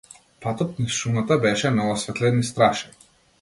Патот низ шумата беше неосветлен и страшен.